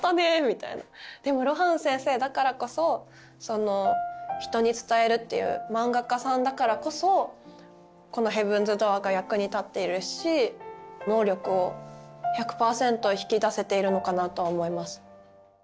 でも露伴先生だからこそその人に伝えるっていう漫画家さんだからこそこの「ヘブンズ・ドアー」が役に立っているし能力を１００％引き出せているのかなとは思います。